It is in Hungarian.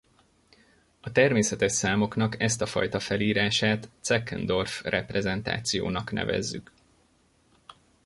A természetes számoknak ezt a fajta felírását Zeckendorf-reprezentációnak nevezzük.